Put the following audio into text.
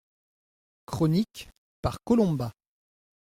Chronique, par Colomba.